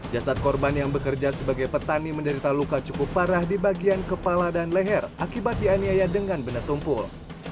jasad korban yang bekerja sebagai petani menderita luka cukup parah di bagian kepala dan leher akibat dianiaya dengan benda tumpul